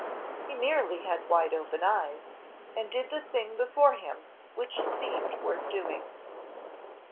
He merely had wide open eyes, and did the thing before him which seemed worth doing.